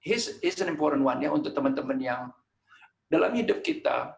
it's an important one ya untuk teman teman yang dalam hidup kita